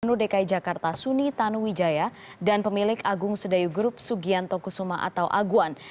gubernur dki jakarta suni tanuwijaya dan pemilik agung sedayu grup sugianto kusuma atau aguan